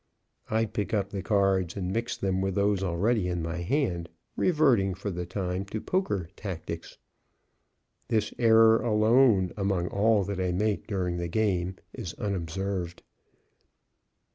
I pick up the cards and mix them with those already in my hand, reverting, for the time, to poker tactics. This error, alone among all that I make during the game, is unobserved.